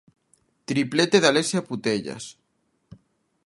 Triplete de Alexia Putellas.